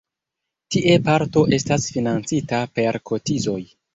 Tie parto estas financita per kotizoj.